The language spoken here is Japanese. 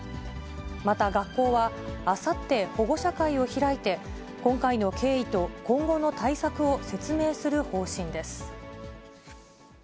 また学校は、あさって保護者会を開いて、今回の経緯と今後の対策を説明する方針です。